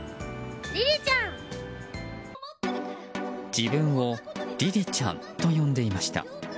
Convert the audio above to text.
自分をりりちゃんと呼んでいました。